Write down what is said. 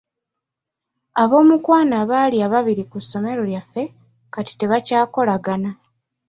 Ab'omukwano abaali ababiri ku ssomero lyaffe kati tebakyakolagana.